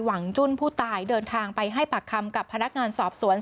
หวังจุ้นผู้ตายเดินทางไปให้ปากคำกับพนักงานสอบสวน